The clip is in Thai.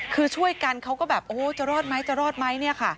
คือช่วยกันเขาก็แบบจะรอดไหมจะรอดไหม